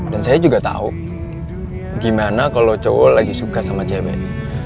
dan saya juga tahu gimana kalau cowok lagi suka sama cewek